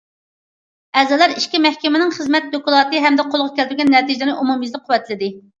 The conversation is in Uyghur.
ئەزالار ئىككى مەھكىمىنىڭ خىزمەت دوكلاتى ھەمدە قولغا كەلتۈرگەن نەتىجىلىرىنى ئومۇميۈزلۈك قۇۋۋەتلىدى.